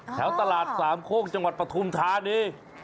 แถวตลาดสามโคกจังหวัดปฐุมธานี